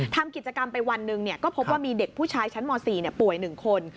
ทำกิจกรรมไปวันหนึ่งก็พบว่ามีเด็กผู้ชายชั้นม๔ป่วย๑คน